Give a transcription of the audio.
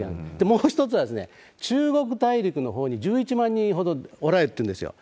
もう一つは、中国大陸のほうに１１万人ほどおられるというんですよ。